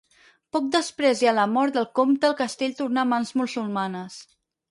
Poc després i a la mort del comte el castell tornà a mans musulmanes.